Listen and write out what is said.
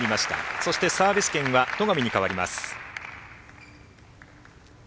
そして、サービス権は戸上に変わります。